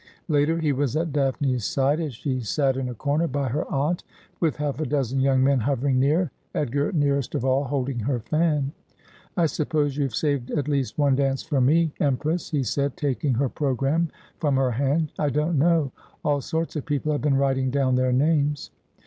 Later he was at Daphne's side, as she sat in a corner by her aunt, with half a dozen young men hovering near, Edgar nearest of all, holding her fan. ' I suppose you have saved at least one dance for me. Empress,' he said, taking her programme from her hand. ' I don't know. All sorts of people have been writing down their names.'